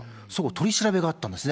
取り調べがあったんですね。